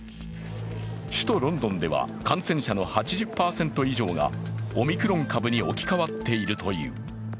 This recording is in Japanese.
首都ロンドンでは感染者の８０％以上がオミクロン株に置き換わっているという。